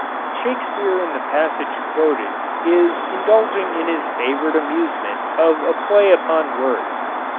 Shakespeare in the passage quoted is indulging in his favorite amusement of a play upon words.